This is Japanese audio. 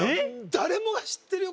誰もが知ってるよ